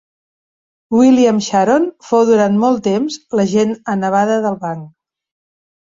William Sharon fou durant molt de temps l'agent a Nevada del banc.